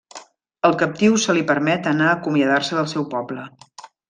Al captiu se li permet anar a acomiadar-se del seu poble.